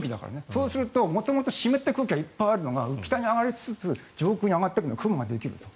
そうすると元々、湿った空気がいっぱいあるのが北に上がりつつ上空に上がるので雲ができると。